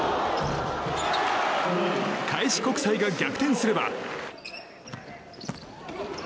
開志国際が逆転すれば。